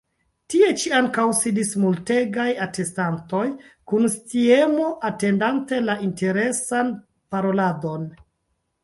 Tie ĉi ankaŭ sidis multegaj atestantoj, kun sciemo atendante la interesan paroladon.